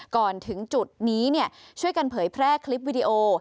ก่อนถึงจุดนี้ช่วยกันเผยแพร่คลิปวิดีโอ